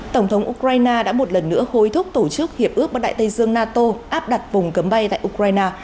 tổng thống ukraine đã một lần nữa hối thúc tổ chức hiệp ước bắc đại tây dương nato áp đặt vùng cấm bay tại ukraine